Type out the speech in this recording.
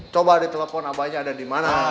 coba ditelepon abahnya ada dimana